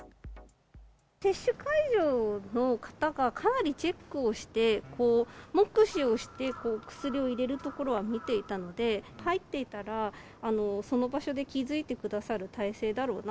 接種会場の方がかなりチェックをして、目視をして薬を入れるところは見ていたので、入っていたら、その場所で気付いてくださる体制だろうな。